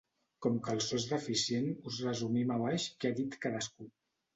Com que el so és deficient, us resumim a baix què ha dit cadascú.